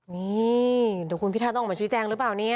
นี่เดี๋ยวคุณพิทาต้องออกมาชี้แจงหรือเปล่าเนี่ย